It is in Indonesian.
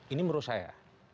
ini menurut saya